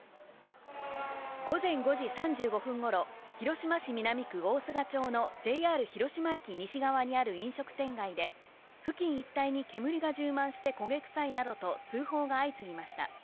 午前５時３５分頃、広島市南区大須賀町のＪＲ広島駅西側にある飲食店街で、付近一帯に煙が充満して焦げくさいなどと通報が相次ぎました。